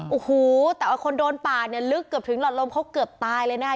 โอ้โหแต่ว่าคนโดนป่าเนี่ยลึกเกือบถึงหลอดลมเขาเกือบตายเลยนะคะ